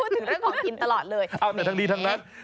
วันนี้พูดถึงเรื่องของกินตลอดเลย